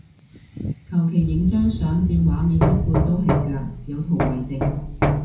求其影張相佔畫面一半都係腳，有圖為證